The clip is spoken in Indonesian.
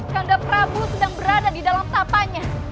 karena prabu sedang berada di dalam tapanya